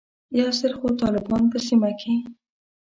یو ځل خو طالبان په سیمه کې.